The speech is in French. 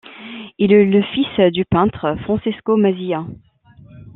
Il est le fils du peintre Francesco Mazzia.